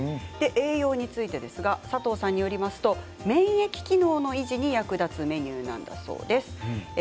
栄養は佐藤さんによると免疫機能の維持に役立つメニューなんだそうです。